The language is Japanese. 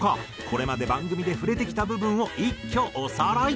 これまで番組で触れてきた部分を一挙おさらい。